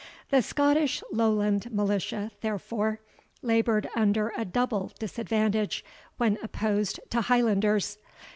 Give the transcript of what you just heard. The Scottish Lowland militia, therefore, laboured under a double disadvantage when opposed to Highlanders.